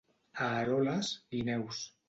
A Eroles, guineus.